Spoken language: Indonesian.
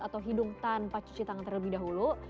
atau hidung tanpa cuci tangan terlebih dahulu